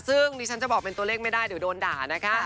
ซึ่งดิฉันจะบอกเป็นตัวเลขไม่ได้เดี๋ยวโดนด่านะคะ